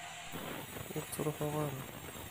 Ur ttṛuḥuɣ ara.